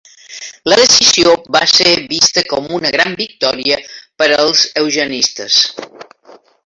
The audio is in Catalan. La decisió va ser vista com una gran victòria per als eugenistes.